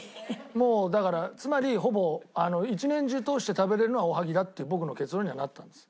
もうだからつまりほぼ一年中通して食べれるのはおはぎだって僕の結論にはなったんです。